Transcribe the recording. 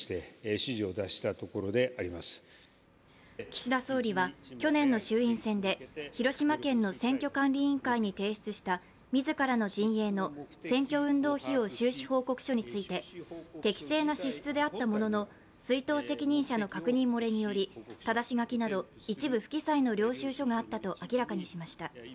岸田総理は去年の衆院選で広島県の選挙管理委員会に提出した自らの陣営の選挙運動費用収支報告書について適正な支出であったものの出納責任者の確認漏れによりただし書きなど一部不記載の領収書があったと明らかにしました。